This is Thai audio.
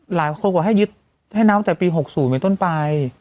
หลายคนบอกให้ยึดให้นับตั้งแต่ปี๖๐เป็นต้นไป